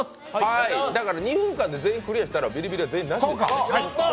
２分間で全員クリアしたらビリビリはなしです。